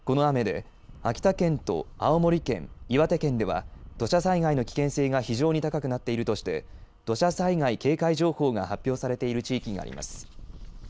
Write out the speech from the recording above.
この雨で秋田県と青森県岩手県では土砂災害の危険性が非常に高くなっているとして土砂災害警戒情報が発表されている地域があります。